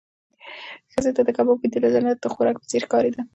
ښځې ته د کباب بوی د جنت د خوراک په څېر ښکارېده.